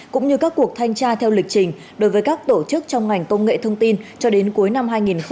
cũng như các cuộc thanh tra theo lịch trình đối với các tổ chức trong ngành công nghệ thông tin cho đến cuối năm hai nghìn hai mươi